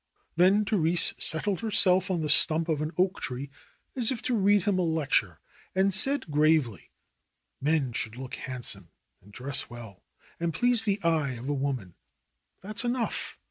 Then Therese settled herself on the stump of an oak tree as if to read him a lecture and said gravely : "Men should look handsome, and dress well, and please the eye of woman. That's enough.